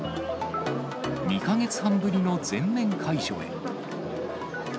２か月半ぶりの全面解除へ。